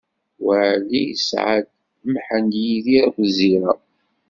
Waɛli isɛa-d: Mḥend, Yidir akked Zira.